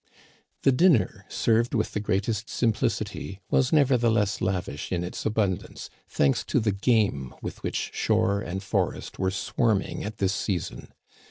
The dinner, served with the greatest simplicity, was nevertheless lavish in its abun dance, thanks to the game with which shore and forest were swarming at this season.